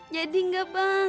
jadi nggak bang